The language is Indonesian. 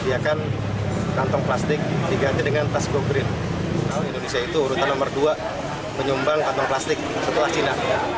indonesia itu urutan nomor dua penyumbang kantong plastik setelah cina